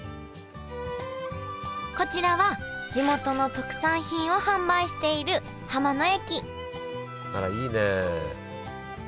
こちらは地元の特産品を販売している浜の駅あらいいね。